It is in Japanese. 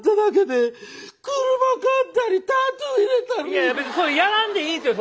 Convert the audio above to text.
いやいや別にやらんでいいんですよ